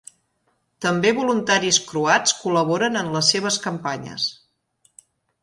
També voluntaris croats col·laboraren en les seves campanyes.